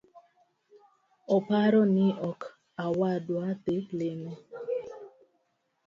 Oparo ni ok wadwa dhi lime